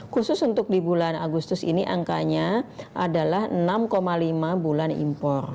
khusus untuk di bulan agustus ini angkanya adalah enam lima bulan impor